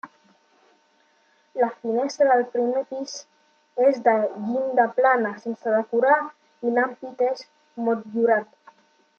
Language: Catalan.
La finestra del primer pis és de llinda plana sense decorar i l'ampit és motllurat.